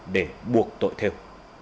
để buộc tội thêu